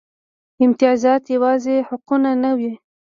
امتیازات یوازې حقونه نه وو.